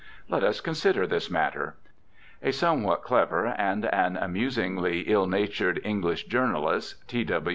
Let us consider this matter. A somewhat clever and an amusingly ill natured English journalist, T.